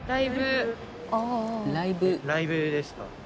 ライブですか？